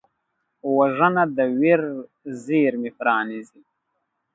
وژنه د ویر زېرمې پرانیزي